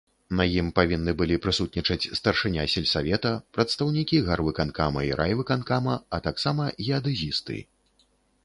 На ім павінны былі прысутнічаць старшыня сельсавета, прадстаўнікі гарвыканкама і райвыканкама, а таксама геадэзісты.